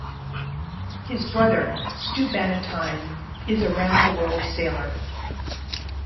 His brother, Stu Bannatyne, is a round-the-world sailor.